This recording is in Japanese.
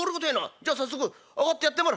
じゃ早速上がってやってみろ」。